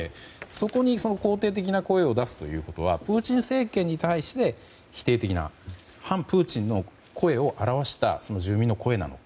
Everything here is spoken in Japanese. そこに肯定的な声を出すということはプーチン政権に対して否定的な、反プーチンの声をあらわした住民の声なのか。